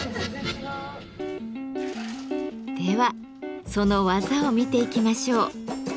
ではその技を見ていきましょう。